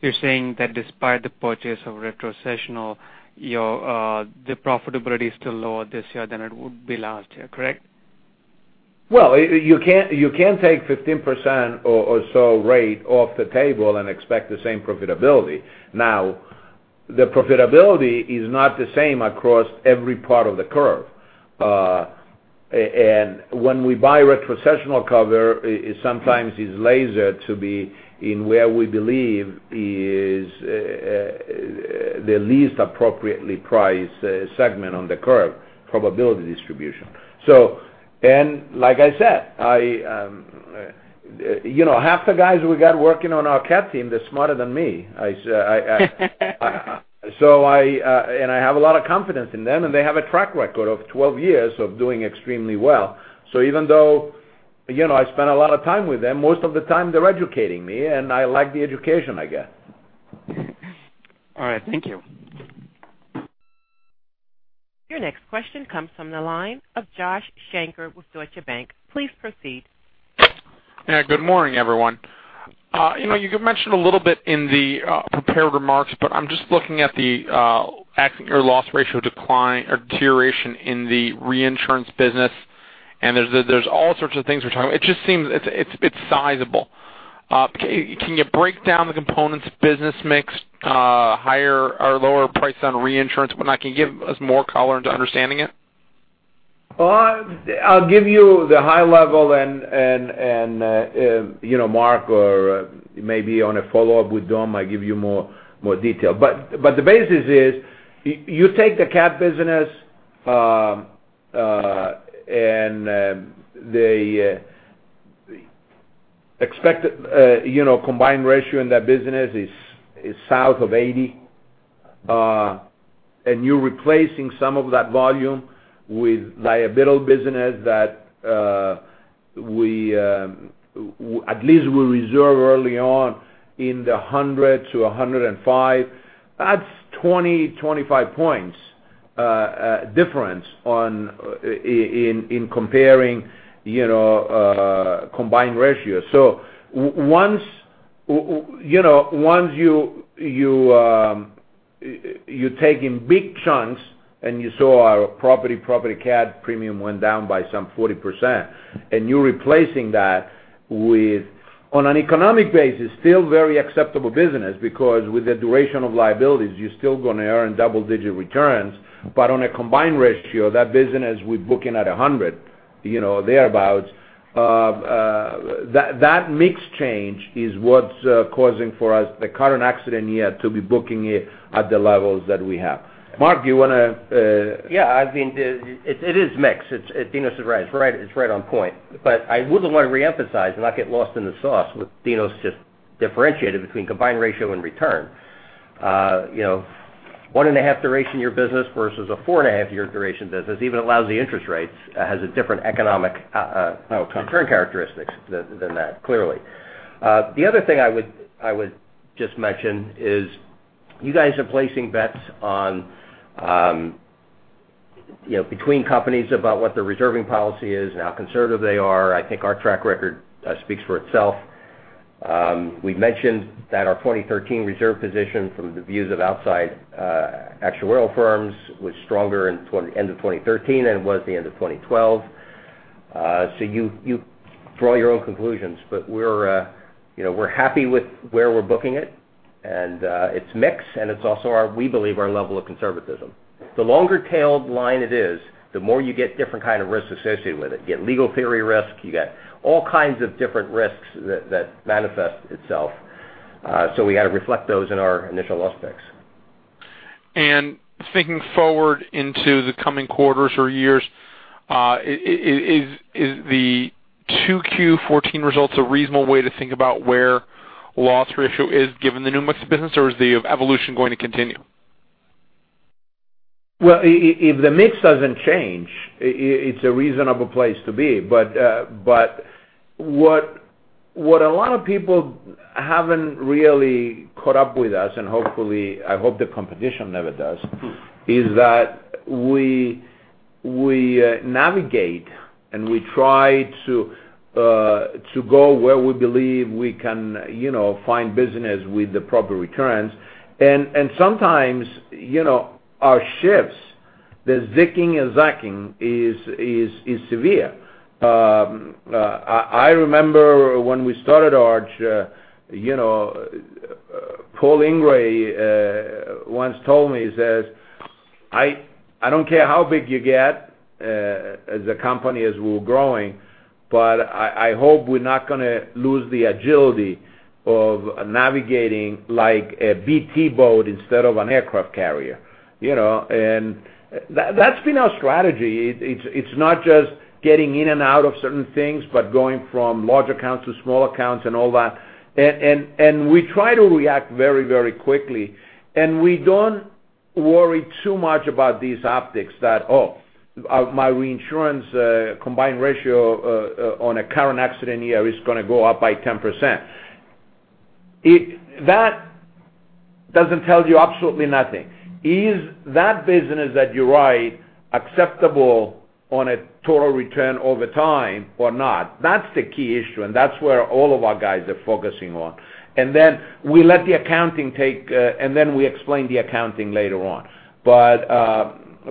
you're saying that despite the purchase of retrocessional, the profitability is still lower this year than it would be last year, correct?
Well, you can't take 15% or so rate off the table and expect the same profitability. Now, the profitability is not the same across every part of the curve. When we buy retrocessional cover, it sometimes is lasered to be in where we believe is the least appropriately priced segment on the curve probability distribution. Like I said, half the guys we got working on our cat team, they're smarter than me. I have a lot of confidence in them, and they have a track record of 12 years of doing extremely well. Even though I spend a lot of time with them, most of the time they're educating me, and I like the education I get.
All right. Thank you.
Your next question comes from the line of Joshua Shanker with Deutsche Bank. Please proceed.
Yeah. Good morning, everyone. You had mentioned a little bit in the prepared remarks, I'm just looking at the loss ratio deterioration in the reinsurance business, there's all sorts of things we're talking about. It's sizable. Can you break down the components, business mix, higher or lower price on reinsurance, whatnot? Can you give us more color into understanding it?
I'll give you the high level, Marc, or maybe on a follow-up with Dom, might give you more detail. The basis is you take the cat business, the expected combined ratio in that business is south of 80. You're replacing some of that volume with liability business that at least we reserve early on in the 100 to 105. That's 20, 25 points difference in comparing combined ratios. Once you're taking big chunks and you saw our property cat premium went down by some 40%, and you're replacing that with, on an economic basis, still very acceptable business because with the duration of liabilities, you're still going to earn double-digit returns. On a combined ratio, that business we're booking at 100, thereabout. That mix change is what's causing for us the current accident year to be booking it at the levels that we have. Marc, do you want to-
Yeah. It is mixed. Dinos is right. It's right on point. I would want to reemphasize and not get lost in the sauce what Dino's just differentiated between combined ratio and return. One and a half duration year business versus a four and a half year duration business, even allows the interest rates, has a different economic return characteristics than that, clearly. The other thing I would just mention is you guys are placing bets between companies about what their reserving policy is and how conservative they are. I think our track record speaks for itself. We've mentioned that our 2013 reserve position from the views of outside actuarial firms was stronger in end of 2013 than it was the end of 2012. You draw your own conclusions, but we're happy with where we're booking it, and it's mix, and it's also, we believe, our level of conservatism. The longer tailed line it is, the more you get different kind of risks associated with it. You get legal theory risk, you get all kinds of different risks that manifest itself. We got to reflect those in our initial loss picks.
Thinking forward into the coming quarters or years, is the 2Q14 results a reasonable way to think about where loss ratio is given the new mix of business, or is the evolution going to continue?
Well, if the mix doesn't change, it's a reasonable place to be. What a lot of people haven't really caught up with us, and I hope the competition never does, is that we navigate and we try to go where we believe we can find business with the proper returns. Sometimes, our shifts, the zicking and zacking is severe. I remember when we started Arch, Paul Ingrey once told me, he says, "I don't care how big you get as a company," as we're growing, "but I hope we're not going to lose the agility of navigating like a PT boat instead of an aircraft carrier." That's been our strategy. It's not just getting in and out of certain things, but going from large accounts to small accounts and all that. We try to react very quickly, and we don't worry too much about these optics that, oh, my reinsurance combined ratio on a current accident year is going to go up by 10%. That doesn't tell you absolutely nothing. Is that business that you write acceptable on a total return over time or not? That's the key issue, and that's where all of our guys are focusing on. Then we let the accounting take, and then we explain the accounting later on.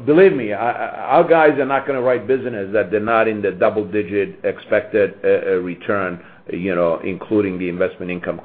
Believe me, our guys are not going to write business that they're not in the double-digit expected return, including the investment income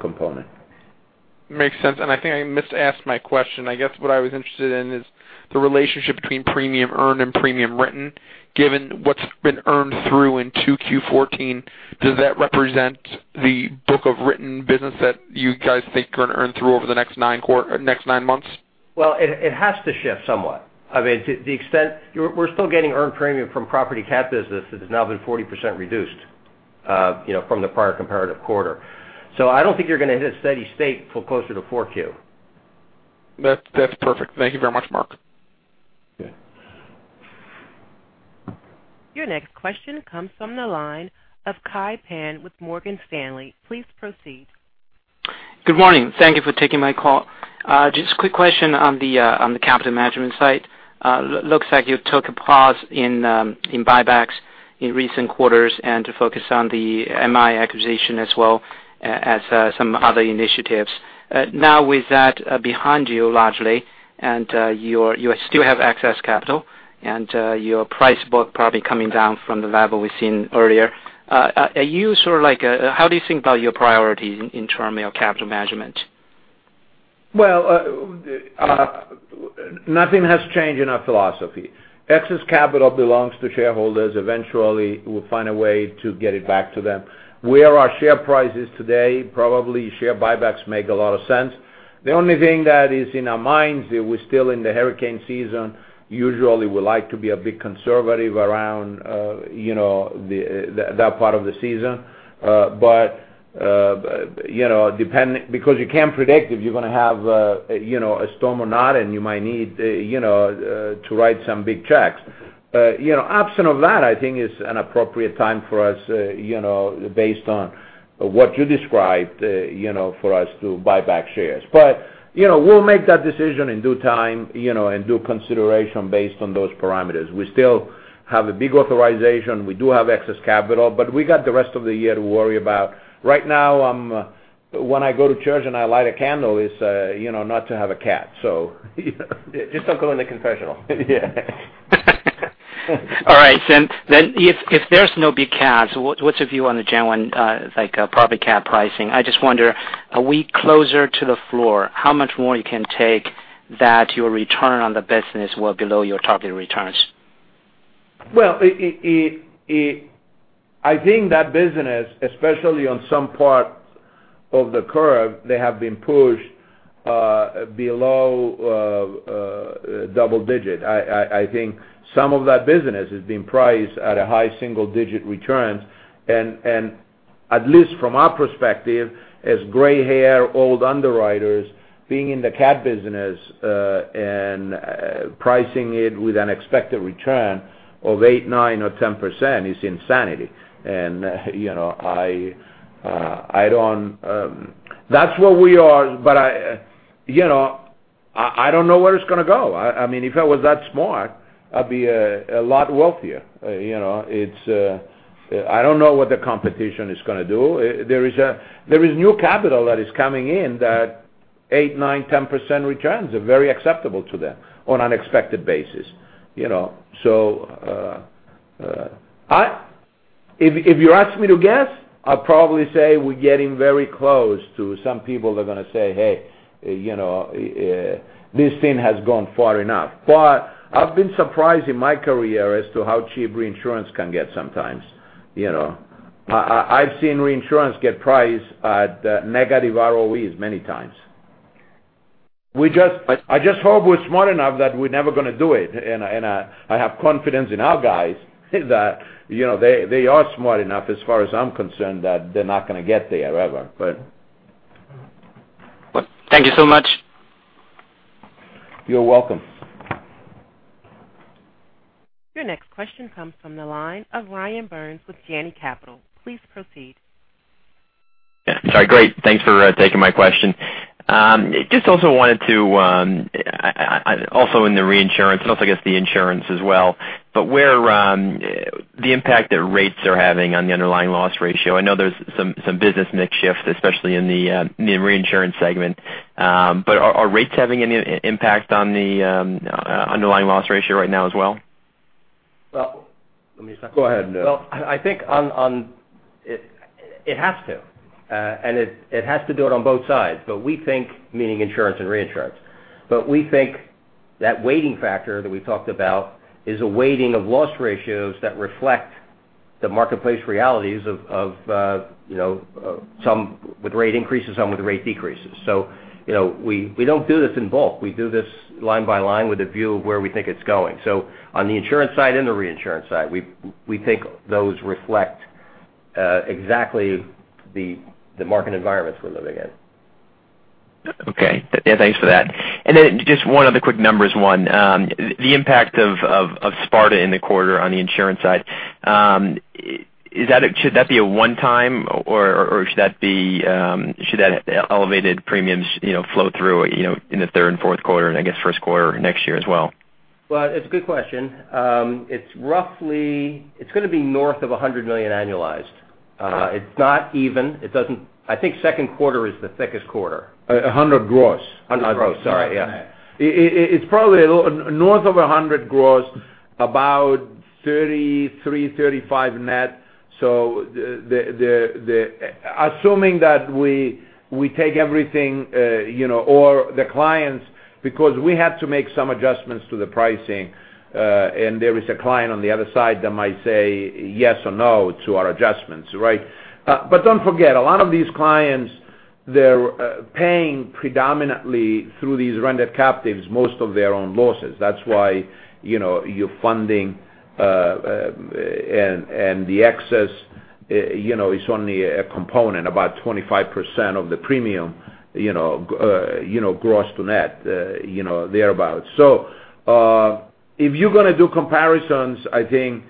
component.
Makes sense. I think I misasked my question. I guess what I was interested in is the relationship between premium earned and premium written. Given what's been earned through in 2Q14, does that represent the book of written business that you guys think you're going to earn through over the next nine months?
Well, it has to shift somewhat. We're still getting earned premium from property cat business that has now been 40% reduced from the prior comparative quarter. I don't think you're going to hit steady state till closer to 4Q.
That's perfect. Thank you very much, Marc.
Yeah.
Your next question comes from the line of Kai Pan with Morgan Stanley. Please proceed.
Good morning. Thank you for taking my call. Just a quick question on the capital management side. Looks like you took a pause in buybacks in recent quarters and to focus on the MI acquisition as well as some other initiatives. Now with that behind you largely, and you still have excess capital, and your price book probably coming down from the level we've seen earlier. How do you think about your priorities in terms of your capital management?
Nothing has changed in our philosophy. Excess capital belongs to shareholders. Eventually, we'll find a way to get it back to them. Where our share price is today, probably share buybacks make a lot of sense. The only thing that is in our minds is we're still in the hurricane season. Usually, we like to be a bit conservative around that part of the season. Because you can't predict if you're going to have a storm or not, and you might need to write some big checks. Absent of that, I think it's an appropriate time for us, based on what you described, for us to buy back shares. We'll make that decision in due time and due consideration based on those parameters. We still have a big authorization. We do have excess capital, we got the rest of the year to worry about. Right now, when I go to church, and I light a candle, it's not to have a cat.
Just don't go in the confessional.
Yeah.
If there's no big cats, what's your view on the Jan. 1, like profit cat pricing? I just wonder, are we closer to the floor? How much more you can take that your return on the business well below your target returns?
Well, I think that business, especially on some parts of the curve, they have been pushed below double-digit. I think some of that business is being priced at a high single-digit returns. At least from our perspective, as gray-hair, old underwriters being in the cat business and pricing it with an expected return of 8%, 9% or 10% is insanity. That's where we are, I don't know where it's going to go. If I was that smart, I'd be a lot wealthier. I don't know what the competition is going to do. There is new capital that is coming in that 8%, 9%, 10% returns are very acceptable to them on an expected basis. If you ask me to guess, I'll probably say we're getting very close to some people that are going to say, "Hey, this thing has gone far enough." I've been surprised in my career as to how cheap reinsurance can get sometimes. I've seen reinsurance get priced at negative ROEs many times. I just hope we're smart enough that we're never going to do it. I have confidence in our guys that they are smart enough as far as I'm concerned, that they're not going to get there ever.
Thank you so much.
You're welcome.
Your next question comes from the line of Ryan Burns with Janney Capital. Please proceed.
Yeah. Sorry. Great. Thanks for taking my question. Just also in the reinsurance and also I guess the insurance as well, but the impact that rates are having on the underlying loss ratio. I know there's some business mix shift, especially in the reinsurance segment. Are rates having any impact on the underlying loss ratio right now as well?
Well, let me start.
Go ahead, Neil.
I think it has to. It has to do it on both sides, meaning insurance and reinsurance. We think that weighting factor that we talked about is a weighting of loss ratios that reflect the marketplace realities of some with rate increases, some with rate decreases. We don't do this in bulk. We do this line by line with a view of where we think it's going. On the insurance side and the reinsurance side, we think those reflect exactly the market environments we're living in.
Okay. Yeah, thanks for that. Just one other quick numbers one. The impact of Sparta in the quarter on the insurance side. Should that be a one time, or should that elevated premiums flow through in the third and fourth quarter, and I guess first quarter next year as well?
Well, it's a good question. It's going to be north of $100 million annualized. It's not even. I think second quarter is the thickest quarter.
$100 gross.
$100 gross. Sorry, yeah.
Assuming that we take everything or the clients, because we have to make some adjustments to the pricing, and there is a client on the other side that might say yes or no to our adjustments, right? Don't forget, a lot of these clients, they're paying predominantly through these rendered captives most of their own losses. That's why you're funding and the excess is only a component, about 25% of the premium gross to net, thereabout. If you're going to do comparisons, I think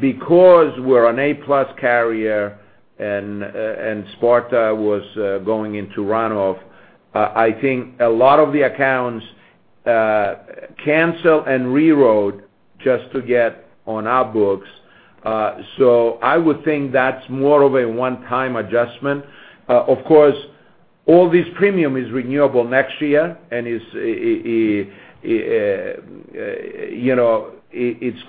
because we're an A-plus carrier and Sparta was going into run-off, I think a lot of the accounts cancel and rewrote just to get on our books. I would think that's more of a one-time adjustment. Of course, all this premium is renewable next year, and it's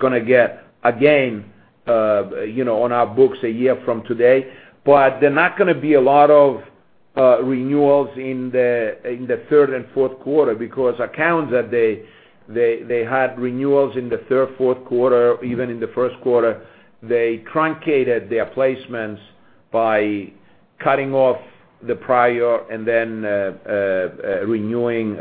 going to get again on our books a year from today. They're not going to be a lot of renewals in the third and fourth quarter because accounts that they had renewals in the third, fourth quarter, even in the first quarter, they truncated their placements by cutting off the prior and then renewing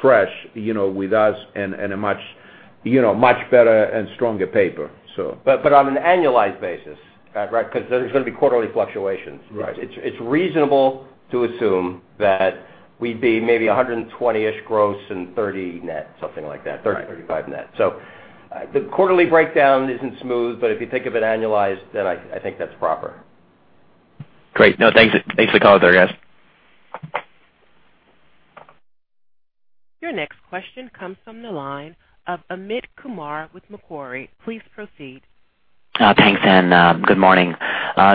fresh with us in a much better and stronger paper.
On an annualized basis, right? Because there's going to be quarterly fluctuations.
Right.
It's reasonable to assume that we'd be maybe 120-ish gross and 30 net, something like that.
Right.
30, 35 net. The quarterly breakdown isn't smooth, but if you think of it annualized, then I think that's proper.
Great. Thanks for the call there, guys.
Your next question comes from the line of Amit Kumar with Macquarie. Please proceed.
Thanks, good morning.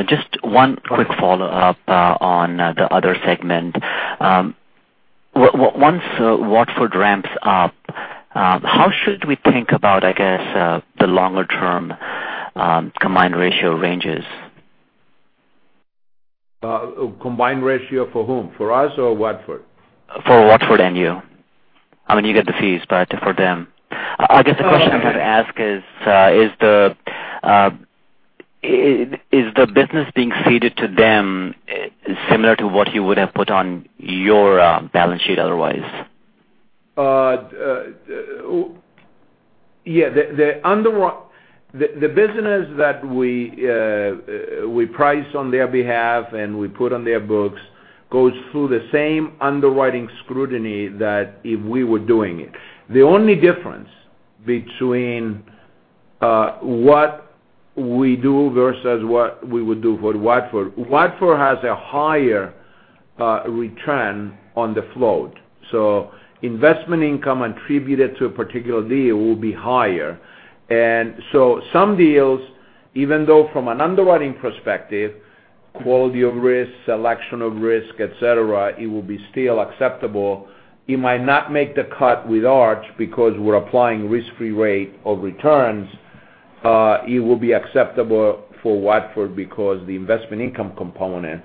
Just one quick follow-up on the other segment. Once Watford ramps up, how should we think about, I guess, the longer-term combined ratio ranges?
Combined ratio for whom? For us or Watford?
For Watford and you. I mean, you get the fees, for them. I guess the question I'm going to ask is the business being ceded to them similar to what you would have put on your balance sheet otherwise?
Yeah. The business that we price on their behalf and we put on their books goes through the same underwriting scrutiny that if we were doing it. The only difference between what we do versus what we would do for Watford has a higher return on the float. Investment income attributed to a particular deal will be higher. Some deals, even though from an underwriting perspective, quality of risk, selection of risk, et cetera, it would be still acceptable. It might not make the cut with Arch because we're applying risk-free rate of returns. It would be acceptable for Watford because the investment income component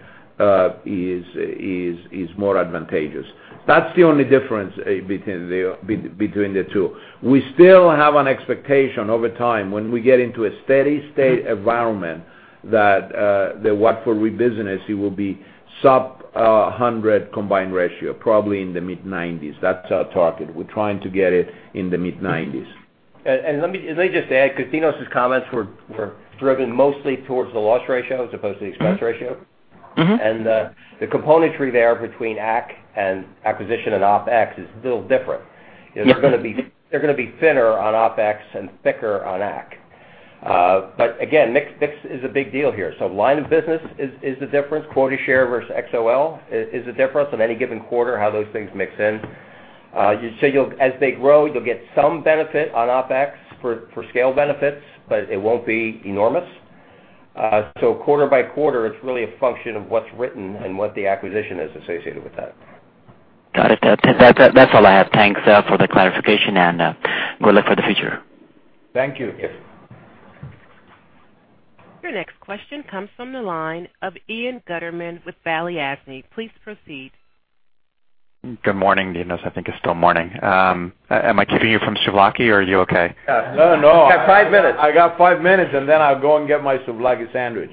is more advantageous. That's the only difference between the two. We still have an expectation over time when we get into a steady state environment that the Watford reinsurance, it will be sub 100 combined ratio, probably in the mid-90s. That's our target. We're trying to get it in the mid-90s.
Let me just add, because Dinos's comments were driven mostly towards the loss ratio as opposed to the expense ratio. The componentry there between acquisition and OpEx is a little different.
Yeah.
They're going to be thinner on OpEx and thicker on Acq. Again, mix is a big deal here. Line of business is the difference. Quota share versus XOL is a difference on any given quarter, how those things mix in. As they grow, you'll get some benefit on OpEx for scale benefits, but it won't be enormous. Quarter by quarter, it's really a function of what's written and what the acquisition is associated with that.
Got it. That's all I have. Thanks for the clarification and good luck for the future.
Thank you.
Your next question comes from the line of Ian Gutterman with Balyasny Asset Management. Please proceed.
Good morning, Dinos. I think it's still morning. Am I keeping you from souvlaki or are you okay?
No.
You got five minutes.
I got five minutes, then I'll go and get my souvlaki sandwich.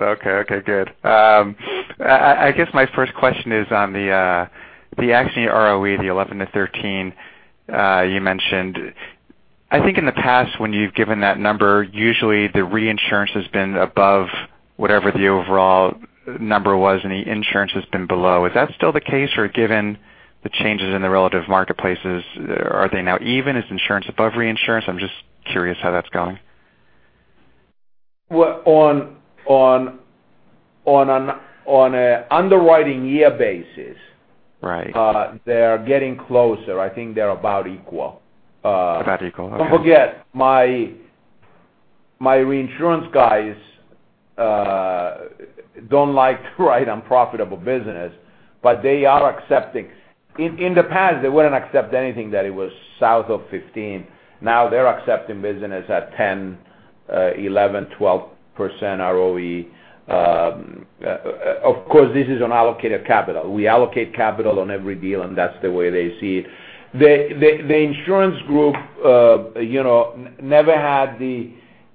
Okay, good. I guess my first question is on the Arch ROE, the 11-13 you mentioned. I think in the past when you've given that number, usually the reinsurance has been above whatever the overall number was and the insurance has been below. Is that still the case? Given the changes in the relative marketplaces, are they now even? Is insurance above reinsurance? I'm just curious how that's going.
On an underwriting year basis.
Right
They are getting closer. I think they're about equal.
About equal. Okay.
Don't forget, my reinsurance guys don't like to write unprofitable business, but they are accepting. In the past, they wouldn't accept anything that it was south of 15. Now they're accepting business at 10, 11% ROE. Of course, this is on allocated capital. We allocate capital on every deal, and that's the way they see it. The insurance group never had the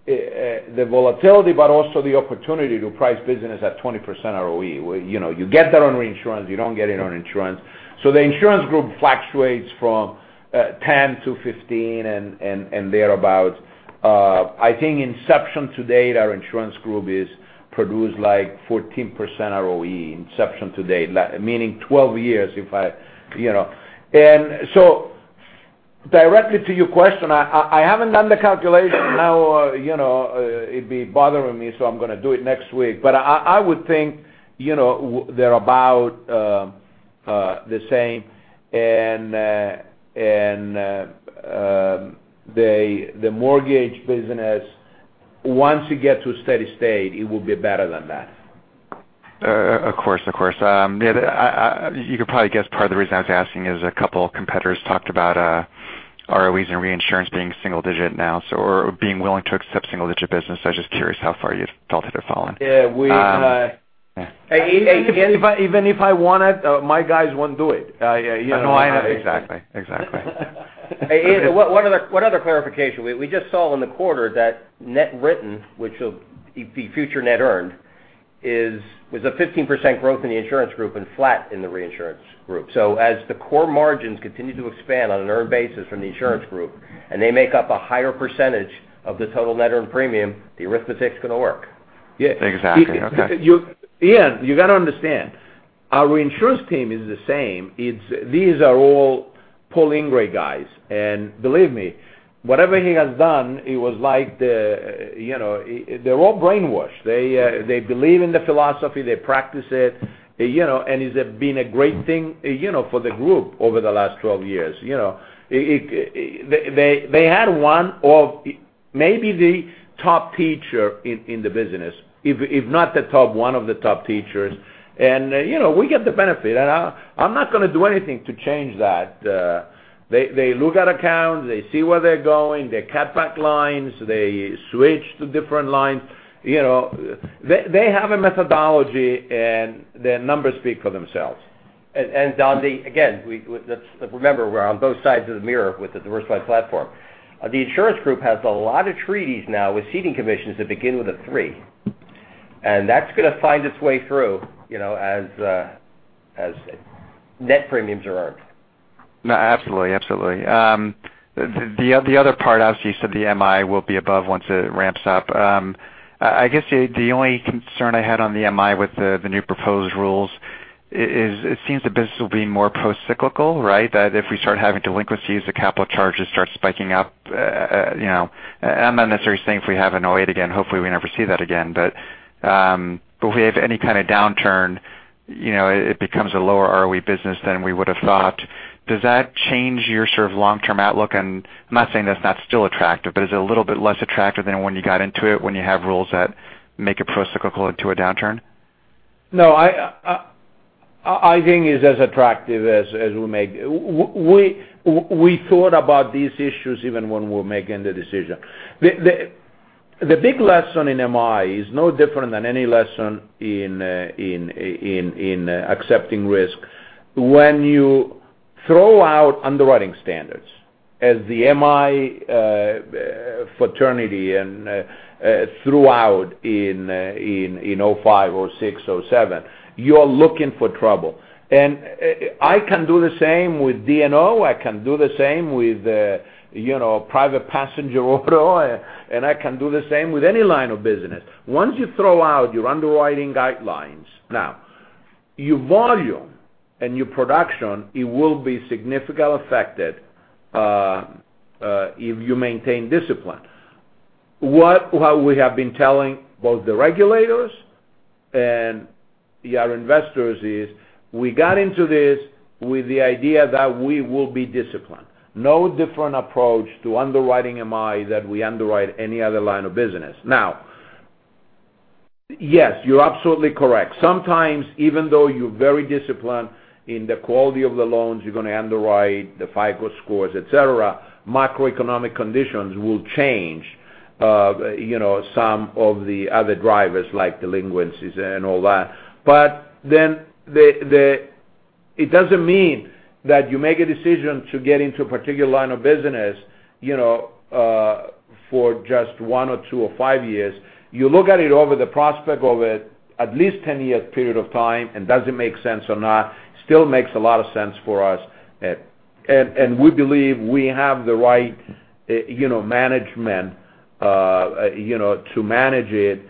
volatility, but also the opportunity to price business at 20% ROE. You get that on reinsurance, you don't get it on insurance. The insurance group fluctuates from 10 to 15 and thereabout. I think inception to date, our insurance group is produced like 14% ROE, inception to date, meaning 12 years. Directly to your question, I haven't done the calculation now. It'd be bothering me, so I'm going to do it next week. I would think they're about the same, and the mortgage business, once you get to a steady state, it will be better than that.
Of course. You could probably guess part of the reason I was asking is a couple competitors talked about ROEs and reinsurance being single digit now, or being willing to accept single digit business. I was just curious how far you'd felt it had fallen.
Yeah. Even if I want it, my guys won't do it.
No, I know. Exactly.
One other clarification. We just saw in the quarter that net written, which will be future net earned, was a 15% growth in the insurance group and flat in the reinsurance group. As the core margins continue to expand on an earned basis from the insurance group, and they make up a higher % of the total net earned premium, the arithmetic's going to work.
Exactly. Okay.
Ian, you got to understand, our reinsurance team is the same. These are all Paul Ingrey guys, and believe me, whatever he has done, they're all brainwashed. They believe in the philosophy, they practice it, and it's been a great thing for the group over the last 12 years. They had one of, maybe the top teacher in the business, if not the top, one of the top teachers. We get the benefit. I'm not going to do anything to change that. They look at accounts, they see where they're going, they cut back lines, they switch to different lines. They have a methodology, and the numbers speak for themselves.,
Don, again, remember, we're on both sides of the mirror with the diversified platform. The insurance group has a lot of treaties now with ceding commissions that begin with a three. That's going to find its way through as net premiums are earned.
No, absolutely. The other part, obviously, you said the MI will be above once it ramps up. I guess the only concern I had on the MI with the new proposed rules is it seems the business will be more pro-cyclical, right? That if we start having delinquencies, the capital charges start spiking up. I'm not necessarily saying if we have a 2008 again, hopefully we never see that again. If we have any kind of downturn, it becomes a lower ROE business than we would have thought. Does that change your long-term outlook? I'm not saying that it's not still attractive, but is it a little bit less attractive than when you got into it, when you have rules that make it pro-cyclical into a downturn?
No, I think it's as attractive as we make. We thought about these issues even when we were making the decision. The big lesson in MI is no different than any lesson in accepting risk. When you throw out underwriting standards as the MI fraternity and throughout in 2005, 2006, 2007, you are looking for trouble. I can do the same with D&O. I can do the same with private passenger auto, and I can do the same with any line of business. Once you throw out your underwriting guidelines, your volume and your production, it will be significantly affected if you maintain discipline. What we have been telling both the regulators and our investors is we got into this with the idea that we will be disciplined. No different approach to underwriting MI that we underwrite any other line of business. Yes, you're absolutely correct. Sometimes, even though you're very disciplined in the quality of the loans you're going to underwrite, the FICO scores, et cetera, macroeconomic conditions will change some of the other drivers, like delinquencies and all that. It doesn't mean that you make a decision to get into a particular line of business for just one or two or five years. You look at it over the prospect of at least a 10-year period of time, and does it make sense or not? Still makes a lot of sense for us. We believe we have the right management to manage it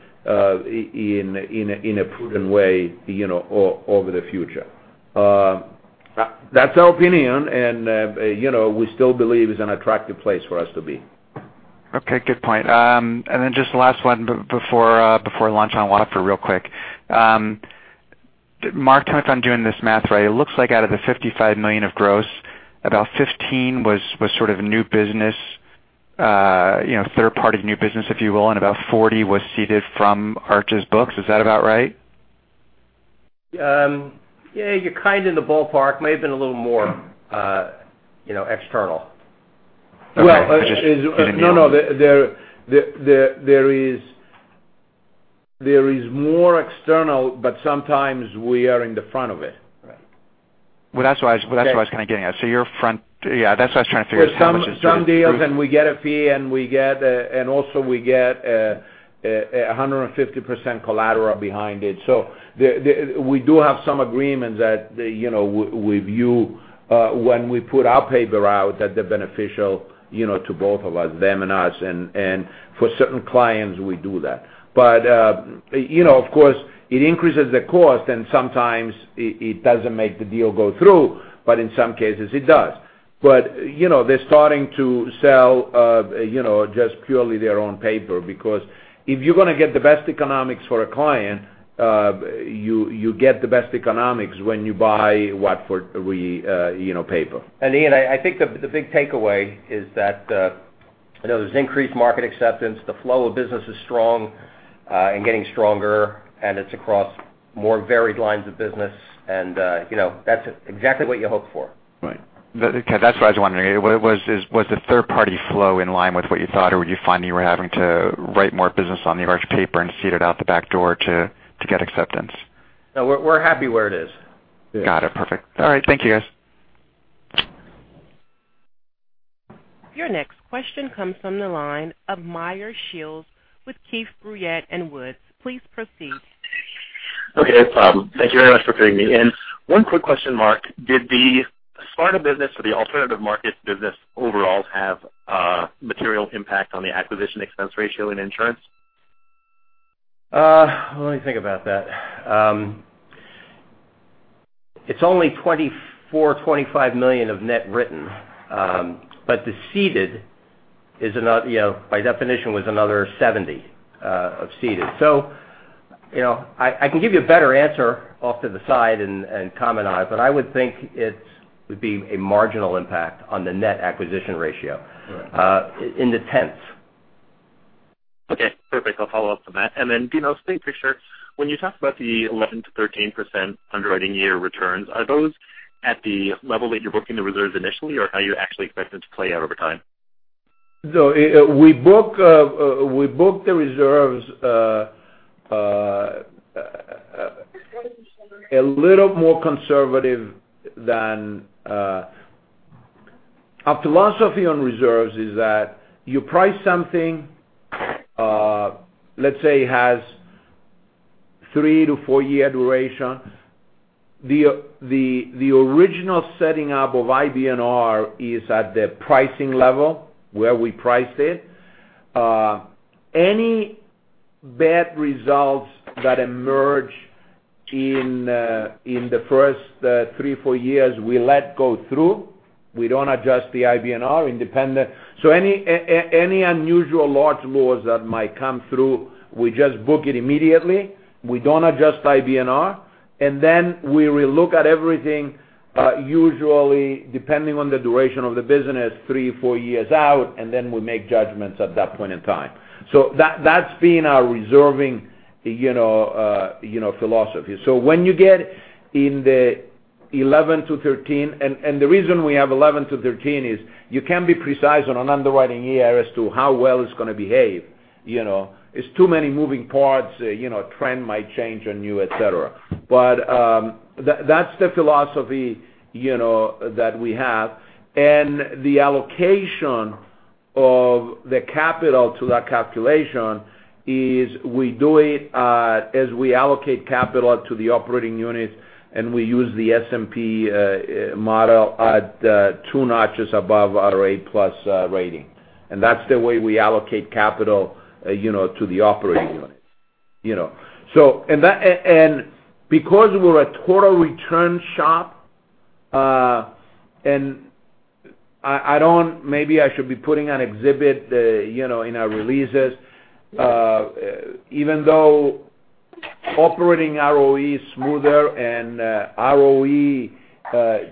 in a prudent way over the future. That's our opinion, and we still believe it's an attractive place for us to be.
Okay, good point. Just the last one before launch on Watford real quick. Marc, if I'm doing this math right, it looks like out of the $55 million of gross, about 15 was sort of new business, third party new business, if you will, and about 40 was ceded from Arch's books. Is that about right?
Yeah. You're kind in the ballpark. May have been a little more external.
Well, no. There is more external, sometimes we are in the front of it.
Right.
Well, that's what I was kind of getting at. Yeah, that's what I was trying to figure out.
For some deals, and we get a fee, and also we get 150% collateral behind it. We do have some agreements that we view when we put our paper out that they're beneficial to both of us, them and us. For certain clients, we do that. Of course, it increases the cost and sometimes it doesn't make the deal go through, but in some cases it does. They're starting to sell just purely their own paper because if you're going to get the best economics for a client, you get the best economics when you buy Watford paper.
Ian, I think the big takeaway is that there's increased market acceptance. The flow of business is strong and getting stronger, and it's across more varied lines of business. That's exactly what you hope for.
Right.
Okay. That's what I was wondering. Was the third party flow in line with what you thought, or were you finding you were having to write more business on the Arch paper and cede it out the back door to get acceptance?
No, we're happy where it is.
Got it. Perfect. All right. Thank you, guys.
Your next question comes from the line of Meyer Shields with Keefe, Bruyette & Woods. Please proceed.
Okay. Thank you very much for putting me in. One quick question, Marc. Did the Sparta business or the alternative markets business overall have a material impact on the acquisition expense ratio in insurance?
Let me think about that. It's only $24 million-$25 million of net written. The ceded by definition, was another $70 of ceded. I can give you a better answer off to the side and comment on it, I would think it would be a marginal impact on the net acquisition ratio in the tenths.
Okay, perfect. I'll follow up on that. Dinos, same picture. When you talk about the 11%-13% underwriting year returns, are those at the level that you're booking the reserves initially or how you actually expect it to play out over time?
We book the reserves a little more conservative than. Our philosophy on reserves is that you price something, let's say, has three to four year duration. The original setting up of IBNR is at the pricing level where we priced it. Any bad results that emerge in the first three, four years, we let go through. We don't adjust the IBNR independent. Any unusual large loss that might come through, we just book it immediately. We don't adjust IBNR. We re-look at everything, usually depending on the duration of the business, three or four years out, and then we make judgments at that point in time. That's been our reserving philosophy. When you get in the 11 to 13, and the reason we have 11 to 13 is you can't be precise on an underwriting year as to how well it's going to behave. It's too many moving parts, a trend might change on you, et cetera. That's the philosophy that we have. The allocation of the capital to that calculation is we do it as we allocate capital to the operating unit, and we use the S&P model at two notches above our A+ rating. That's the way we allocate capital to the operating unit. Because we're a total return shop, and maybe I should be putting an exhibit in our releases, even though operating ROE is smoother and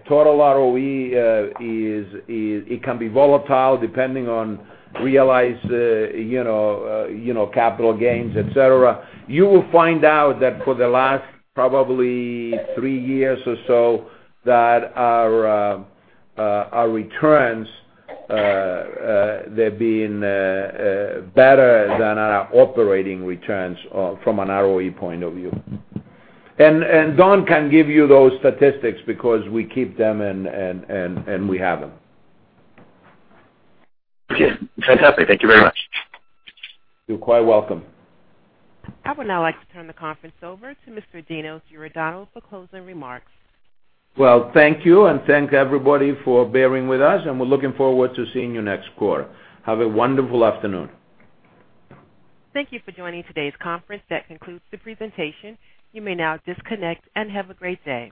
total ROE can be volatile depending on realized capital gains, et cetera. You will find out that for the last probably three years or so that our returns, they've been better than our operating returns from an ROE point of view. Don can give you those statistics because we keep them, and we have them.
Okay. Fantastic. Thank you very much.
You're quite welcome.
I would now like to turn the conference over to Mr. Dinos Iordanou for closing remarks.
Well, thank you, and thank everybody for bearing with us, and we're looking forward to seeing you next quarter. Have a wonderful afternoon.
Thank you for joining today's conference. That concludes the presentation. You may now disconnect and have a great day.